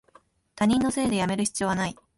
他人のせいでやめる必要はない